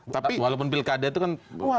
tapi walaupun pilkada itu kan